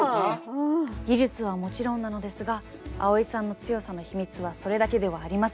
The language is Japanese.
技術はもちろんなのですが蒼依さんの強さの秘密はそれだけではありません。